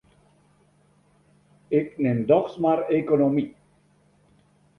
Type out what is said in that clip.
Ik nim dochs mar ekonomy.